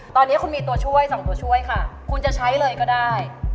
ตอนนี้คุณมีตัวช่วย๒ตัวช่วยค่ะคุณจะใช้เลยก็ได้